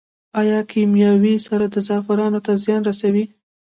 آیا کیمیاوي سره زعفرانو ته زیان رسوي؟